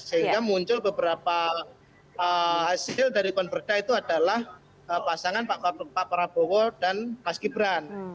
sehingga muncul beberapa hasil dari konverda itu adalah pasangan pak prabowo dan mas gibran